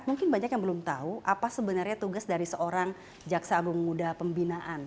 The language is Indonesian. mungkin banyak yang belum tahu apa sebenarnya tugas dari seorang jaksa agung muda pembinaan